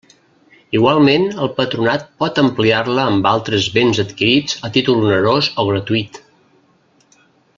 Igualment el Patronat pot ampliar-la amb altres béns adquirits a títol onerós o gratuït.